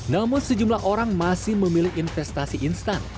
namun sejumlah orang masih memilih investasi instan